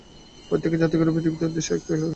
প্রত্যেক জাতিরই এ পৃথিবীতে একটি উদ্দেশ্য ও আদর্শ থাকে।